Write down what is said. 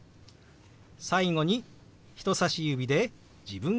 最後に人さし指で自分を指さします。